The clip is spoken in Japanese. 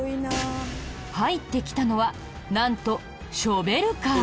入ってきたのはなんとショベルカー。